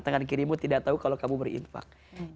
tangan kirimu tidak tahu kalau kamu berinfak